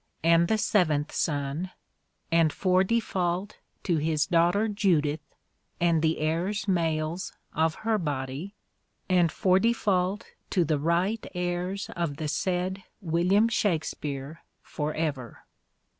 . and the seaventh sonne ... and for defalt to (his) daughter Judith, and the heires males of her bodie ... and for defalt to the right heires of the saied William Shackspeare, for ever."